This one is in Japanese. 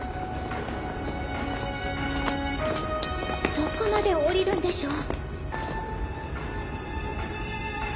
どこまで下りるんでしょう。